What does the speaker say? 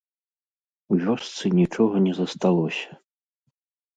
У вёсцы нічога не засталося.